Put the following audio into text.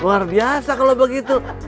luar biasa kalau begitu